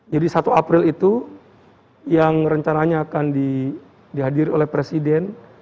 jadi satu april itu yang rencananya akan dihadiri oleh presiden